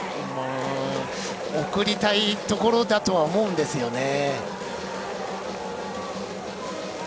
送りたいところだとは思うんですね。